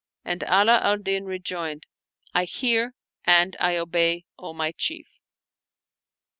And Ala al Din rejoined, "I hear and I obey, O my chief."